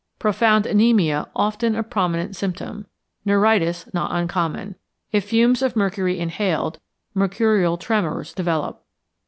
Profound anæmia often a prominent symptom; neuritis not uncommon. If fumes of mercury inhaled, mercurial tremors develop.